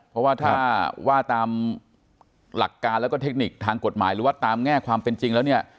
เพราะว่าถ้าว่าตามหลักการแล้วก็เทคนิคทางกฎหมายหรือว่าตามแง่ความเป็นจริงแล้วเนี่ย